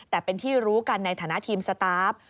แต่เป็นที่รู้กันในฐานะทีมสตาฟ